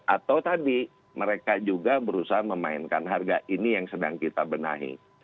atau tadi mereka juga berusaha memainkan harga ini yang sedang kita benahi